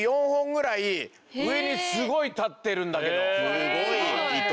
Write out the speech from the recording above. すごい！糸